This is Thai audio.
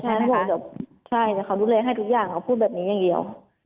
ใช่ค่ะเขาดูแลให้ทุกอย่างเขาพูดแบบนี้อย่างเดียว